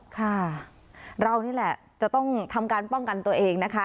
ค่ะเรานี่แหละจะต้องทำการป้องกันตัวเองนะคะ